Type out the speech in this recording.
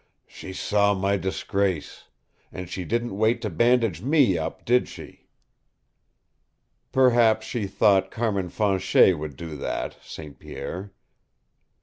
"She saw my disgrace. And she didn't wait to bandage ME up, did she?" "Perhaps she thought Carmin Fanchet would do that, St. Pierre."